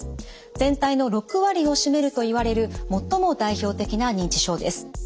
全体の６割を占めるといわれる最も代表的な認知症です。